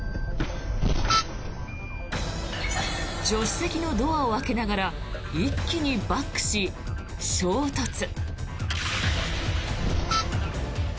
助手席のドアを開けながら一気にバックし、衝突。